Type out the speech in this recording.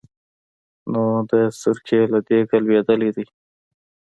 نو د سرکې له دېګه لوېدلی دی.